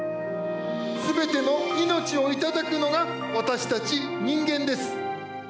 すべての命をいただくのが私たち人間です。